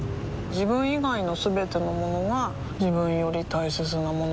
自分以外のすべてのものが自分より大切なものだと思いたい